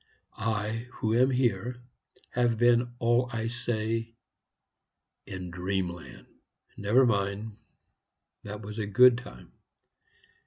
I, who am here, have been all I say in dreamland. Never mind; that was a good time.